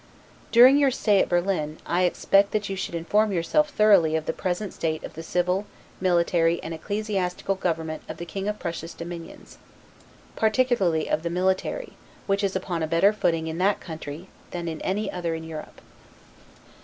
During your stay at Berlin, I expect that you should inform yourself thoroughly of the present state of the civil, military, and ecclesiastical government of the King of Prussia's dominions; particularly of the military, which is upon a better footing in that country than in any other in Europe.